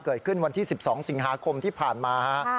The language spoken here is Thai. เกิดขึ้นวันที่๑๒สิงหาคมที่ผ่านมาฮะ